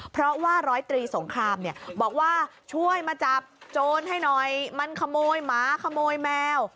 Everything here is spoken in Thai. เพราะว่าร้อยตรีสงครามเนี่ยบอกว่าช่วยมาจับโจรให้หน่อยมันขโมยหมาขโมยแมว